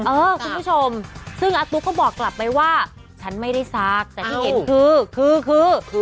เออคุณผู้ชมซึ่งอาตุ๊กก็บอกกลับไปว่าฉันไม่ได้ซักแต่ที่เห็นคือคือ